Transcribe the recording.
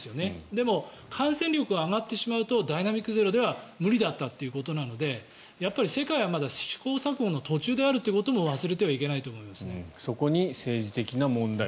でも、感染力が上がってしまうとダイナミック・ゼロでは無理だったということなのでやっぱり世界はまだ試行錯誤の途中であることもそこに政治的な問題